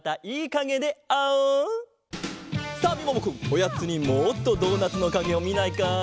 おやつにもっとドーナツのかげをみないか？